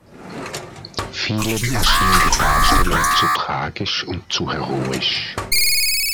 Vielen erschien die Darstellung zu tragisch und zu heroisch.